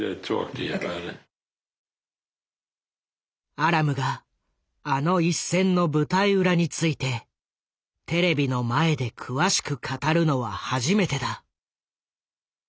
アラムがあの一戦の舞台裏についてテレビの前で詳しく語るのは初めてだ。